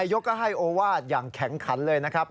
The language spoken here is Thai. ยกก็ให้โอวาสอย่างแข็งขันเลยนะครับ